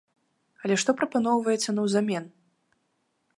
Але што прапаноўваецца наўзамен?